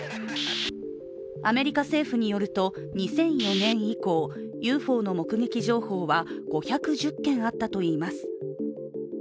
アメリカ政府によると、２００４年以降、ＵＦＯの目撃情報は５１０件あったといいます。